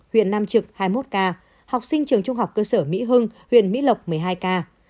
huyện nam trực hai mươi một ca học sinh trường trung học cơ sở mỹ hưng huyện mỹ lộc một mươi hai ca